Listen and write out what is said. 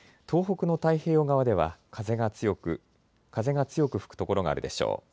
東北の太平洋側では風が強く吹く所があるでしょう。